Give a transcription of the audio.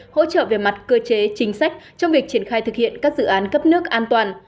hỗ trợ về mặt cơ chế chính sách trong việc triển khai thực hiện các dự án cấp nước an toàn